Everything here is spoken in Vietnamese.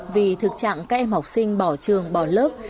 vì thực trạng các em học sinh bỏ trường bỏ lớp